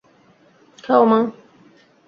খাও, মা।